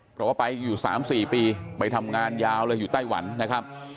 เพราะว่าไปอยู่๓๔ปีไปทำงานยาวเลยอยู่ไต้หวันนะครับ